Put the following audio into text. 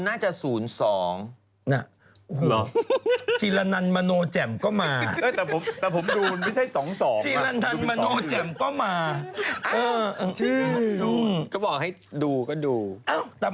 มันต้องกลับสภาพตัวเองสักแป๊บหนึ่ง